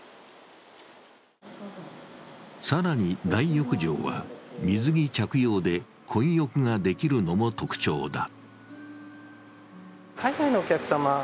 更に大浴場は、水着着用で混浴ができるのも特徴だ。